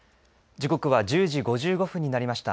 時刻は１０時５５分になりました。